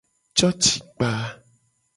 Cocikpa.